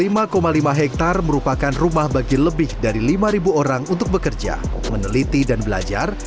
di lima lima hektare merupakan rumah bagi lebih dari lima orang untuk bekerja meneliti dan belajar